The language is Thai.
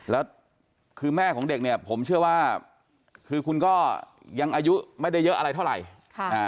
แล้วคือแม่ของเด็กเนี่ยผมเชื่อว่าคือคุณก็ยังอายุไม่ได้เยอะอะไรเท่าไหร่